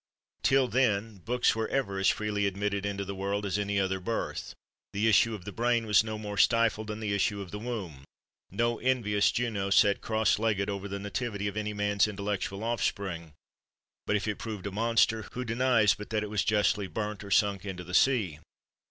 Till then books were ever as freely admitted into the world as any other birth; the issue of the brain was no more stifled than the issue of the womb; no envious Juno sat cross legged over the nativity of any man's intellectual offspring; but if it proved a monster, who denies but that it was justly burnt, or sunk into the sea?